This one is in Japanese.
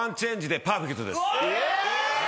え！